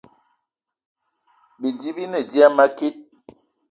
Bidi bi ne dia a makit